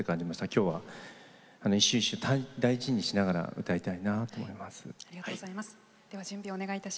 今日は、一瞬一瞬を大事にしながら歌いたいなと思います。